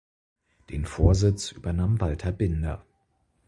Den Vorsitz übernahm Walther Binder.